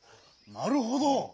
なるほど。